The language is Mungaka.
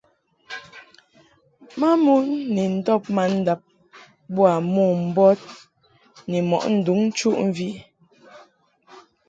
Mamon ni ndɔb mandab boa mombɔd ni mɔʼ nduŋ nchuʼmvi.